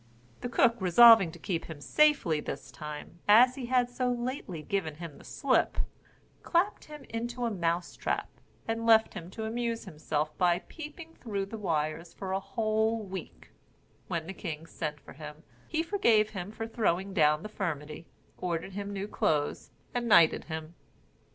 The cook resolving to keep him safely this time, as he had so lately given him the slip, clapped him into a mouse trap, and left him to amuse himself by peeping through the wires for a whole week; when the king sent for him, he forgave him for throwing down the firmity, ordered him new clothes and knighted him.